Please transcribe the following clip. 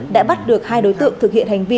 đã bắt được hai đối tượng thực hiện hành vi